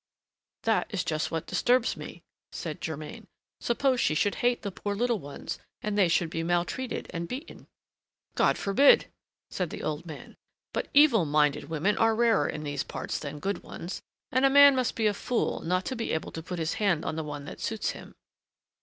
"That is just what disturbs me," said Germain. "Suppose she should hate the poor little ones, and they should be maltreated and beaten?" "God forbid!" said the old man. "But evil minded women are rarer in these parts than good ones, and a man must be a fool not to be able to put his hand on the one that suits him."